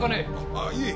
ああいえ